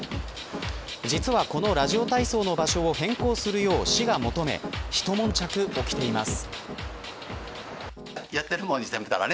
実は、このラジオ体操の場所を変更するよう、市が求め一悶着起きています。